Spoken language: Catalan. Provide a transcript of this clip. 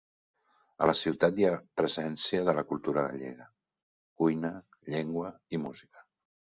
A la ciutat hi ha presència de la cultura gallega: cuina, llengua i música.